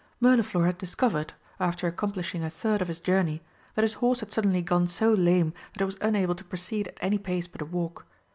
Mirliflor had discovered, after accomplishing a third of his journey, that his horse had suddenly gone so lame that it was unable to proceed at any pace but a walk.